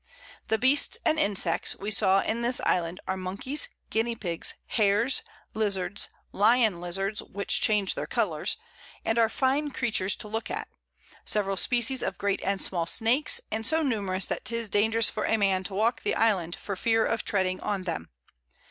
The Beasts and Insects, we saw in this Island are Monkeys, Guinea Pigs, Hares, Lizards, Lion Lizards, which change their Colours, and are fine Creatures to look at, several Species of great and small Snakes, and so numerous, that 'tis dangerous for a Man to walk the Island, for fear of treading on them.